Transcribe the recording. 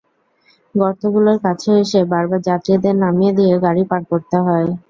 গর্তগুলোর কাছে এসে বারবার যাত্রীদের নামিয়ে দিয়ে গাড়ি পার করতে হয়।